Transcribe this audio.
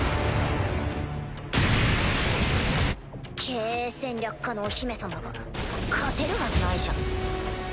経営戦略科のお姫様が勝てるはずないじゃん。